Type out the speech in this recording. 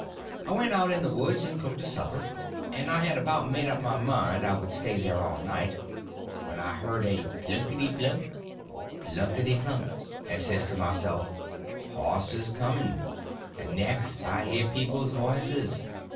I went out in the woods and cooked a supper, and I had about made up my mind I would stay there all night when I hear a plunkety plunk, plunkety plunk, and says to myself, horses coming; and next I hear people's voices.